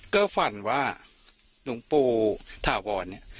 ก็ฝันว่าหลวงปู่ถาวรเนี่ย